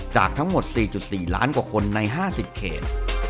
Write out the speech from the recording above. จากทั้งหมด๔๔ล้านกว่าคนใน๕๐เขต